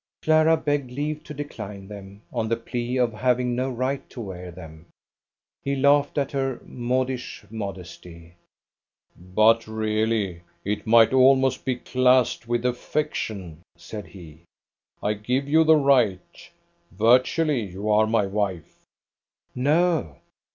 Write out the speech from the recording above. Clara begged leave to decline them, on the plea of having no right to wear them. He laughed at her modish modesty. "But really it might almost be classed with affectation," said he. "I give you the right. Virtually you are my wife." "No."